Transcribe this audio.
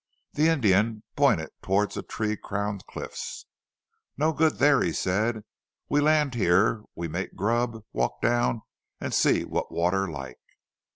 The Indian pointed towards the tree crowned cliffs. "No good there," he said. "We land here, and make grub; walk down and see what water like."